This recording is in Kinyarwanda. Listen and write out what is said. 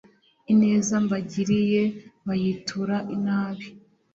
ineza mbagiriye bayitura inabi